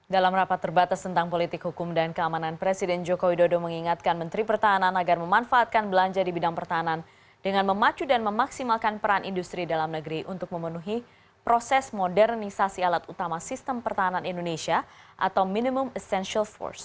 dalam rapat terbatas tentang politik hukum dan keamanan presiden jokowi dodo mengingatkan menteri pertahanan agar memanfaatkan belanja di bidang pertahanan dengan memacu dan memaksimalkan peran industri dalam negeri untuk memenuhi proses modernisasi alat utama sistem pertahanan indonesia atau minimum essential force